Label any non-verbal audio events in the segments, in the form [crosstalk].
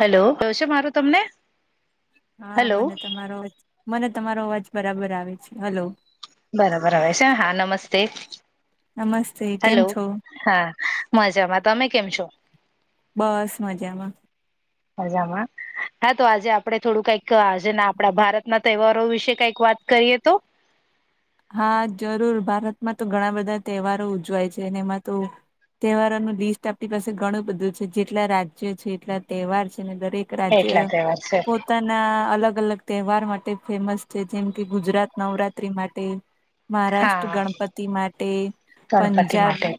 Hello ક છે મારું તમને. હા હેલો મને તમારો અજ મને તમારો અવાજ બરાબર આવે છે હલો બરાબર હવે છે હા નમસ્તે. નમસ્તે કેમ હેલો છો? હા મજામાં તમે કેમ છો? બસ મજામાં. મજામાં. હા તો આજે આપડણે થોડું કઈક આજેના આપડા ભારતના તહેવારો વિશે કઈક વાત કરીએ તો. હા જરૂર ભારતમાં તો ઘણા બધા તહેવારો ઉજવાય છે એમાં તો તહેવારો ન લિસ્ટ આપણી પાસે ઘણું બધું છે જેટલા રાજ્યો છે એટલા તહેવાર છે ને દરેક રાજ્ય એટલા તહેવાર છે પોતાના ના અલગ અલગ તહેવાર માટે ફેમસ છે જેમ કે ગુજરાત નવરાત્રી માટે મહારાષ્ટ્ર હા ગણપતિ માટે ગણપતિ પંજાબ માટે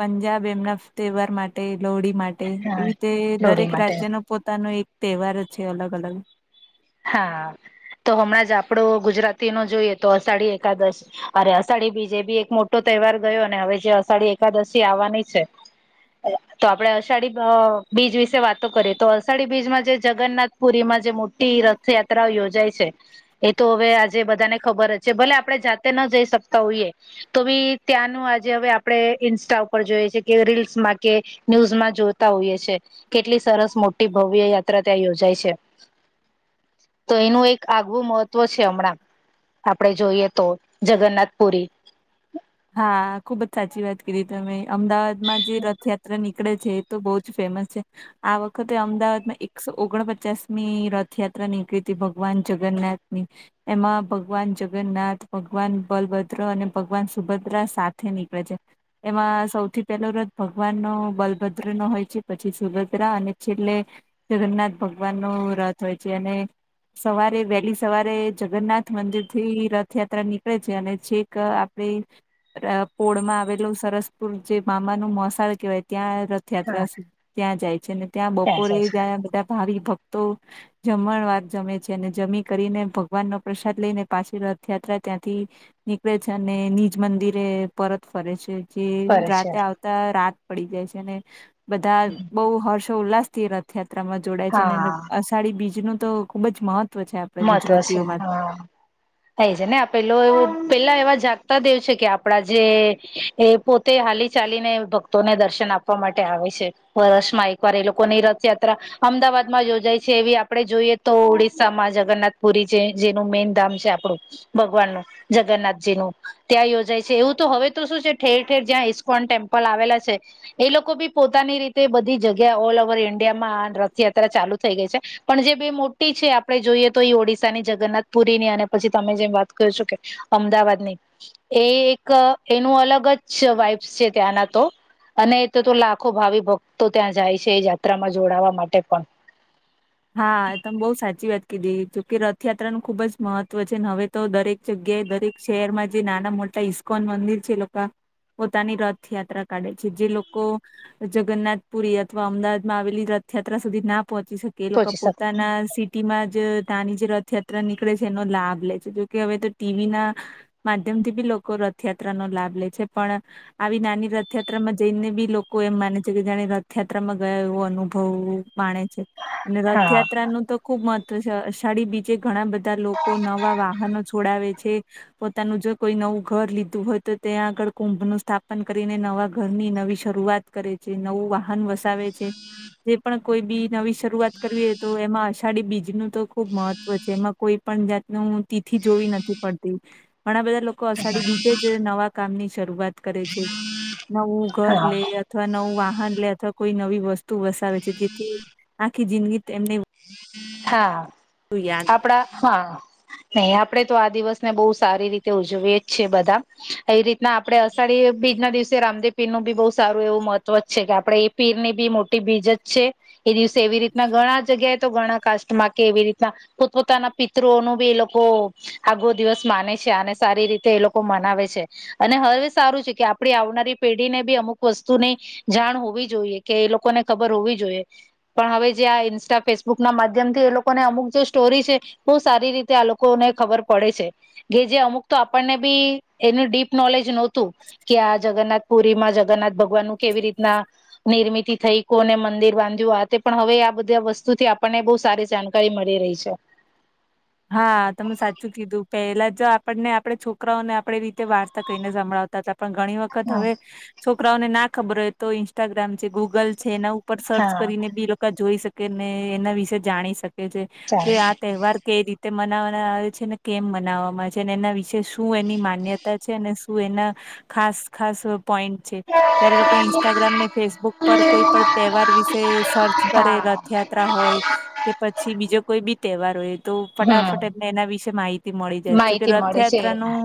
પંજાબ એમના તહેવાર માટે લોડી માટે હા એવી રીતે લોહડી દરેક માટે રાજ્યનો. પોતાનો એક તહેવાર છે અલગ અલગ. હા તો હમણાં જ આપડો ગુજરાતી નો જોઈએ તો અષાઢી એકાદશ. અરે અષાઢી બીજે બી એક મોટો તહેવાર ગયો ને હવે જે અષાઢી એકાદશી આવવાની છે. તો આપડે અષાઢી બીચ વિશે વાતો કરીએ તો અષાઢી બીચમાં જે જગન્નાથ પુરીમાં જે મો ટી રથયાત્રાઓ યોજાય છે. એ તો હવે આજે બધાને ખબર જ છે ભલે આપણે જાતે ન જઈ શકતા હોઈએ. તો ભી ત્યાંનું આજે હવે આપણે ઈન્સ્ટા ઉપર જોઈએ છે કે રીલ્સ માં કે ન્યૂઝમાં જોતા હોઈએ છે કેટલી સરસ મોટી ભવ્ય યાત્રા ત્યાં યોજાય છે. તો એનું એક આગવું મહત્વ છે હમણાં આપડે જોઈએ તો જગન્નાથ પુરી. હા ખુબ જ સાચી વાત કરી તમે અમદાવાદમાં જે રથયાત્ર નીકળે છે એ તો બહુ જ ફેમસ છે. આ વખતે અમદાવાદમાં એકસો ઓગણપચાસ ની રથયાત્રા નીકળી હતી ભગવાન જગન્નાથ ની. એમાં ભગવાન જગન્નાથ ભગવાન બલભદ્ર અને ભગવાન સુભદ્રા સાથે નીકળે છે. એમાં સૌથી પહેલો રથ ભગવાન નો બલભદ્ર નો હોય છે પછી સુભદ્રા અને છેલ્લે જગન્નાથ ભગવાન ન રથ હોય છે અને સવારે વહેલી સવારે જગન્નાથ મંદિર થી રથયાત્રા નીકળે છે અને છેક આપ પોળમાં આવેલું સરસપુર જે મામાનું મોસાળ કહેવાય ત્યાં હા રથયાત્રા ત્યાં જાય છે અનેને ત્યાં બપોરે જાય જ છે બધા ભાવિ ભક્તો જમણ વાર જમે છે અને જમી કરીને ભગવાન નો પ્રસાદ લઈને પાછી રથયાત્રા ત્યાંથી નીકળે છે અને નિજ મંદિરે પરત ફરે છે જે ફરે છે રાતે આવ રાત પડી જાય છે અનેને બધા બહ હર્ષો ઉલ્લાસથી રથયાત્રામાં જોડાય છે ને હા અષાઢી બીજ નું તો ખુબ જ મહત્વ છે આપણે મહત્વ છે ગુજરાતીઓમાં હા. થાય છે ને પેલો એવ પેલા એવા જાગતા દેવ છે કે આપડા જે એ પો તે હાલી ચાલીને ભક્તોને દર્શન આપવા માટે આવે છે. વર્ષમાં એકવાર એ લોકોની રથયાત્રા અમદાવાદ માં યોજાય છે એવી આપડે જોઈએ તો ઓડિસ્શસામાં જ જગન્નાથ પુરી છે જેનું મેન ધામ છે આપણું ભગવાનનું જગન્નાથજીનું. ત્યાં યોજાય છે એવું તો હવે તો શું છે ઠેર ઠેર જ્યાં ઇસ્કોન ટેમ્પલ આવેલા છે. એ લોકો બી પોતાની રીતે બધી જગ્યા ઓલ ઓવર ઈન્ડિયામાં રથયાત્રા ચાલુ થઈ ગઈ છે. પણ જે બે મોટી છે આપણે જોઈએ. તો એ ઓડિશા ની જગન્નાથ પુરી ની અને પછી તમે જેમ વાત કર છો કે અમદાવાદ ની. એ એક એનું અલગ જ વાઈપ્સ છે ત્યાંના તો અને એ તો તો લાખો ભાવિ ભક્તો ત્યાં જાય છે એ યાત્રામાં જોડાવા માટે પણ. હા તમે બહુ સાચી વાત કીધી જોકે રથયાત્રા નું ખુબ જ મહત્વ છે હવે તો દરેક જગ્યાએ દરેક શહેરમાં જે નાના મોટા ઇસ્કોન મંદિર છે એ લોકો. પોતાની રથયાત્રા કાઢે છે જે લોકો. જગન્નાથપુરી અથવા અમદાવાદ માં આવેલી રથયાત્રા સુધી ના પહોંચી શકે. કે લોકો પહોંચી શકે પોતાના સ. માં જ તંની જે રથયાત્રા નીકળે છે એનો લાભ લે છે જોકે હવે તો ટીવી ના. માધ્યમ થી બી લોકો રથયાત્રા નો લાભ લે છે પણ. આવી નાની રથયાત્રામાં જઈને બી લોકો એમ માને છે કે જાણે રથયાત્રામાં ગયા એવો અનુભવું. માણે છે- અને હા રથયાત્રા નું તો ખુબ મહત્વ છે અષાઢી બીજે ઘણા બધા લોકો નવા વાહનો છોડાવે છે પોતાનું જો કોઈ નવું ઘર લીધું હોય તો ત્યાં આગળ કુંભનું સ્થાપન કરીને નવા ઘરની નવી શરૂઆત કરે છે નવું વાહન વસાવે છે જે પણ કોઈ બી નવી શરૂઆત કરવીએ તો એમાં અષાઢી બીજનું તો ખુબ મહત્વ છે એમાં કોઈ પણ જાતનું તિથિ જોવી નથી પડતી ઘણા બધા લોકો અષાઢી બીજે જ નવા કામ ની શરૂઆત કરે છે નવું ઘર હા લે અથવા નવું વાહન લે અથવા કોઈ નવી વસ્તુ વસાવે છે જેથી કે જિંદગી એમને હા- યાદ રહે. આપડા -હા નહી આપણે તો આ દિવસને બહુ સારી રીતે ઉજવીએ જ છીએ બધા એવી રીતના આપડે અષાઢી બીજના દિવસે રામદેવ પીર નું બી બઉ સારું એવું મહત્વ જ છે કે આપડે-ઈ પીર ની બી મોટી બીજ જ છે એ દિવસે એવી રીતના ઘણા જગ્યાએ તો ઘણા કાષ્ટ માં કે એવી રીતના પોતપોતાના પિત્રો નો બી એ લોકો આગો દિવસ માને છે અને સારી રીતે એ લોકો મનાવે છે અને હવે બી સારું છે કે આપડી આવનારી પેઢી ને બી અમુક વસ્તુને જાણ હોવી જોઈએ કે એ લોકોને ખબર હોવી જોઈએ -પણ હવે જે આ ઇન્સ્ટા ફેસબુક ના માધ્યમ થી એ લોકોને અમુક જે સ્ટોરી છે બહુ સારી રીતે આ લોકો કોને ખબર પડે છે કે જે અમુક તો આપણને બી એનું ડીપ નોલેજ નતું તુ-કે આ જગન્નાથ પુરી માં જગન્નાથ ભગવાન નું કેવી રીતના નિર્મિતિ થઈ કો ને મંદિર બાંધ્યું આ તે પણ હવે આ બધા વસ્તુથી આપ આપણને બહુ સારી જાણકારી મળી રહી છે હા તમે સાચું કીધું પેલા જો આપણને આપે છોકરાઓને આપે રીતે વા રતા કઈને સંભળાવતા હતા પણ ઘણી વખત વખત હા હવે છોકરાઓને ના ખબર હોય તો ઇન્સ્ટાગ્રામ છે ગૂગલ નવું ઉપર સર્ચ હા કરીને બી એ લોકો જોઈ શકે ને એના વિશે જાણી શકે છે ચાલ કે આ તહેવાર કઈ રીતે મનાવવામાં આવે છે ને કેમ મનાવવામાં આવે છે અને એના વિશે શું એની માન્યતા છે અને શું એના- ખાસ ખાસ પોઈન્ટ છે જયારે લોકો ઇન્સ્ટાગ્રામ ને ફેસબુક પર કોઈ પણ તહેવાર વિશે સર્ચ કરે હા રથયાત્રા હોય કે પછી બીજો કોઈ બી તહેવાર હોય તો ફટાફટ હમ એમને એના વિશે માહિતી મળી જાય જો કે માહિતી મળે છે રથયાત્રાનું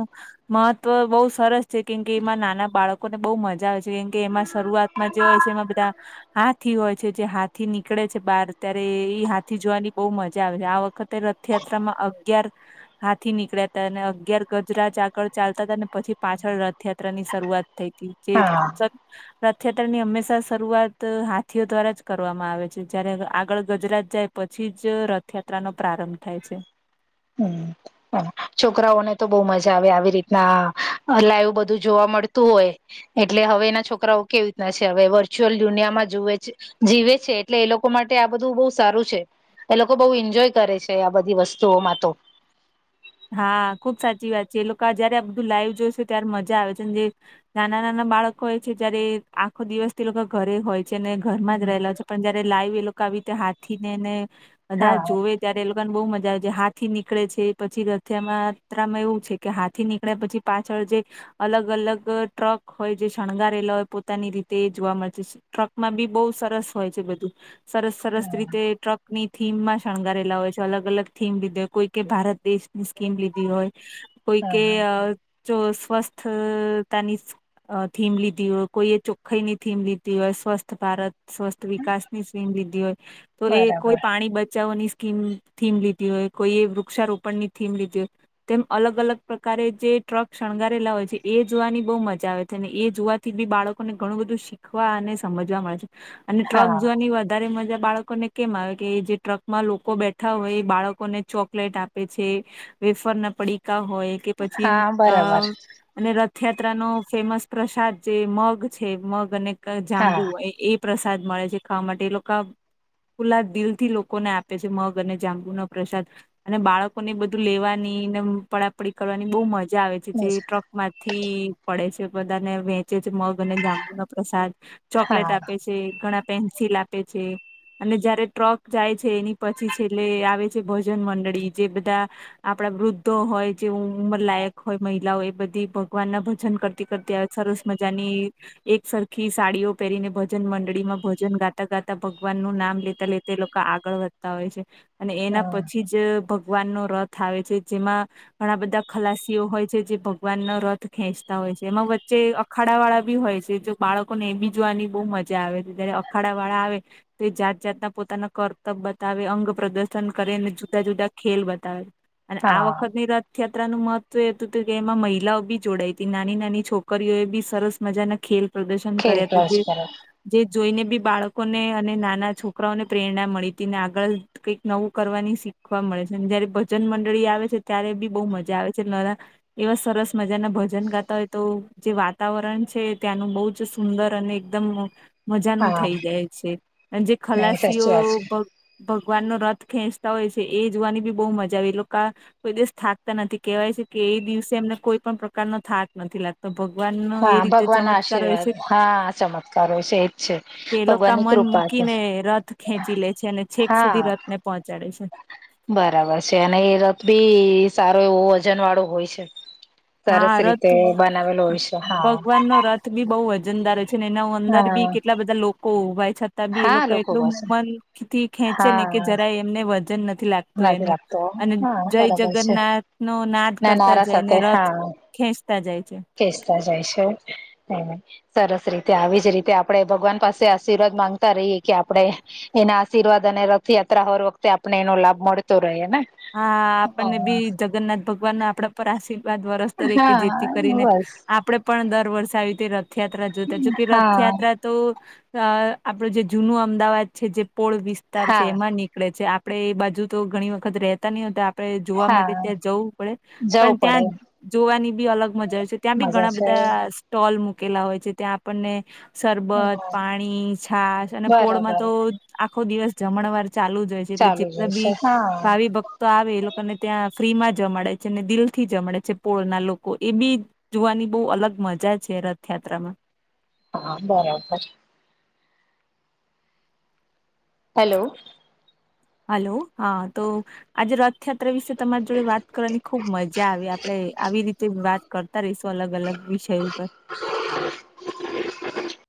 મહત્વ બહુ સરસ છે કેમ કે એમાં નાના બાળકો લોકોને બહુ મજા આવે છે કેમ કે એમાં શરૂઆતમાં જે હોય છે એમાં બધા હાથી હોય છે જે હાથી નીકળે છે બાર ત્યારે એ હાથી જોવાની બહુ મજા આવે છે આ વખત તે-રથયાત્રામાં અગિયાર હાથી નીકળ્યા હતા અને અગિયાર ગજરાજ આગળ ચાલતા હતા ને પછી પાછળ રથયાત્રા ની શરૂઆત થઈ હતી ચ હા સ [unintelligible] રથયાત્રા ની હંમેશા શરૂઆત હાથીઓ દ્વારા જ કરવામાં આવે છે જયારે આગળ ગજરાજ જાય પછી જ રથયાત્રાનો પ્રારંભ થાય છે હમમ છોકરાઓને તો બહુ મજા આવે આવી રીતના લાઈવ બધું જોવા મળતું હોય એટલે હવે એના છોકરાઓ કેવી રીતના છે હવે વર્ચ્યુઅલ દુનિયામાં જોવે છે. જીવે છે એટલે એ લોકો માટે આ બધું બહુ સારું છે. એ લોકો બહુ એન્જોય કરે છે આ બધી વસ્તુઓમાં તો હા ખુબ સાચી વાત છે એ લોકો જયારે બધું લાઈવ જોઈશે ત્યારે મજા આવે છે જે નાના નાના બાળકો હોય છે જયારે આખો દિવસ થી લોકો ઘરે હોય છે ને ઘરમાં જ રહેલા છે પણ જયારે લાઈવ એ લોકો આવી રીતે હાથી ને ને બધા હા જોવે ત્યારે એ લોકોને બહુ મજા આવે છે હાથથી નીકળે છે. પછી રથ્યા માત્રામાં એવું છે કે હાથી નીકળ્યા પછી પાછળ જે અલગ અલગ ટ્રક હોય જે શણગારેલા હોય પોતાની રીતે જોવા મળશે ટ્રકમાં બી બહુ સરસ હોય છે બધું સરસ સરસ હા રીતે ટ્રક ની થીમમાં શણગારેલા હોય છે અલગ અલગ થીમ લીધે કોઈ કે ભારત દેશની સ્કીમ લીધી હોય કોઈ કે હા જો સ્વસ્થતાની અ થીમ લીધી હોય કોઈએ ચોખ્ખાઈ ની થીમ લીધી હોય સ્વસ્થ ભારત સ્વસ્થ વિકાસ ની સ્કીમ લીધી હોય તો એ કોઈ બરાબર પાણી બચાવવાની સ્કીમ થીમ લીધી હોય કોઈએ વૃક્ષારોપણ ની થીમ લીધી હોય તેમ અલગ અલગ પ્રકારે જે ટ્રક શણગારેલા હોય છે એ જોવાની બહુ મજા આવે છે અને એ જોવા થી બી બાળકો ને ઘણું બધું શીખવા અને સમજવા મળે છે અને ટ્રક હા જોવાની વાત વધારે મજા બાળકોને કેમ આવે કે જે ટ્રકમાં લોકો બેઠા હોય એ બાળકોને ચોકલેટ આપે છે વેફાર ના પડીકા હોય કે પછી હા અ બરાબર અને રથયાત્રા નો ફેમસ પ્રસાદ જે મગ છે મગ અને જાંબુ હા એ પ્રસાદ મળે છે ખાવા માટે એ લોકો ખુલા દિલ થી લોકોને આપે છે મગ અને જાંબુનો પ્રસાદ અને બાળક લોકો ને બધું લેવાની પડાપડી કરવાની બહુ મજા આવે છે જે ટ્રક માંથી પડે છે બધાને વેંચે છે મગ અને જાંબુનોો પ્રસાદ ચોકલેટ હા આપે છે ઘણા પેન્સિલ આપે છે અને જયારે ટ્રક જાય છે એની પછી છેલ્લે આવે છે ભજન મંડળી જે બધા આપણા વૃદ્ધો હોય જે ઉંમર લાયક હોય મહિલાઓય એ બધી ભગવાન ના ભજન કરતી ત સરસ મજાની એક સરખી સાડીઓ પહેરીને ભજન મંડળી માં ભજન ગાતા ગાતા ભગવાન નું નામ લેતા લેતા તે લોકો આગળ વધતા હોય છે અને એના હા પછી જ ભગવાનનોો રથ આવે છે જેમાં ઘણા બધા ખલાસીઓ હોય છે જે ભગવાન ન રથ ખેંચતા હોય છે એમાં વચ્ચે અખાડા વાળા બી હોય છે જો બાળકોને એ બી જોવાની બહુ મજા આવે છે ત્યારે અખાડા વાળા આવે તો જાત જાતના પોતાના કર્તવ્ય બતાવે અંગ પ્રદર્શન કરે અનેને જુદા જુદા ખેલ બતાવે અને આ હા વખતની ર રથયાત્રાનુંું મહત્વ એતું હતું કે એમાં મહિલાઓ બી જોડાઈ હતી નાની નાની છોકરીઓ એ બી સરસ મજાના ખેલ પ્રદર્શન ખેલ કર્યા હતા પ્રસ જેથી કરો જે જોઈને બી બાળકોને અને નાના છોકરાઓને પ્રેરણા મળી હતી ને આગળ કંઈક નવું કરવાની શીખવા મળે જયારે ભજન મંડળી આવે છે ત્યારે બી બહુ મજા આવે છે એવા સરસ મજા ના ભજન ગાતા હોય તો જે વાતાવરણ છે ત્યાંનું બહુ જ સુંદર અને એકદમ મજાનું હા થઈ જાય છે અને જે નહી ખલાસીઓ સાચી વાત છે ભગવાનનોો રથ ખેંચતા હોય છે એ જોવાની બી બહુ મજા આવે એ લોકો કોઈ દિવસ થાકતા નથી કેવાય છે કે એ દિવસે એમને કોઈ પણ પ્રકારનો થાક નથી લાગતો તો ભગવાન નો એ હા રીતે ભગવાન ના ચમત્કાર હોય આશીર્વાદ છે હા ચમત્કારો છે એજ છે કે એ લોકો ભગવાનની મન કૃપા છે મૂકીને રથ ખેંચી લે છે અને છેક સુધી હા રથને પહોંચાડે છે બરાબર છે અને એ રથ બી સારો એવો વજન વાળું હોય છે સરસ હા રથ રીતે બનાવેલો હોય છે હા ભગવાન નો રથ બી બહુ વજનદારો છે ને એના અંદર બી હા કેટલા બધા લોકો ઉભય છે તોબી એ હા લોકો એટલું પાસે મનથી ખેંચે ને હા કે જરા એમને વજન નથી લાગત નથી એનું રાખતો અને હા જય બરાબર છે જગન્નાથ નો નાદ ના કરતા નારા જાયને સાથે રથ હા ખેંચતા જાય છે ખેંચતા જાય છે સરસ રીતે આવી જ રીતે આપડણે ભગવાન પાસે આશીર્વાદ માંગતા રહીએ કે આપણે એના આશીર્વાદ અને રથયાત્રા હોર વખતે આપને એનો લાભ મળતો રહે ને હા આપણને હા બી જગન્નાથ ભગવાન ના આપડા પર આશીર્વાદ વરસ તરીકે જેથી હા કરીને બસ આપડણે પણ દર વર્ષે આવી રીતે રથયાત્રા જોતા જો કે હા રથયાત્રા તો આપડું જે જુનું અમદાવાદ છે જે પોળ વિસ્તાર છે હા એમાં નીકળે છે. આપણે બાજુ તો ઘણી વખત રતા નહીતા આપણે જોવા માટે હા ત્યાં જવું પડે જવું પણ ત્યા પડે જોવાની બી અલગ મજા હોય છે ત્યાં બી મજા ઘણા છે બધા સ્ટોલ મૂકેલા હોય છે, ત્યાં આપણને સરરબત પાણી છાાસ અને પોળમાં બરાબર તો આખો દિવસ જમણવાર ચાલુ જ એટલે ચાલુ જેટલા બી જશે હા ભાવિ ભક્ તો આવે એ લોકોને ત્યાં ફ્રી માં જમાડે છેને દિલ થી જમાડે છે, પોળ ના લોકો એ બી જોવાની બહુ અલગ મજા છે, રથયાત્રામા હા બરાબર હેલો હેલો હા તો આજે રથયાત્રા વિશે તમારી જોડે વાત કરવાની ખુબ મજા આવે આપડે આવી રીતે વાત કરતા રહીશું અલગ અલગ વિષયો ઉપર [inaudible]